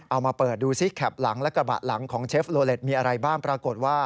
เอามาเปิดดูซิแคปหลังและกระบะหลังของเชฟโลเล็ตมีอะไรบ้างปรากฏว่า